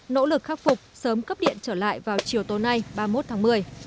nỗ lực khắc phục sớm cấp điện trở lại vào chiều tối nay ba mươi một tháng một mươi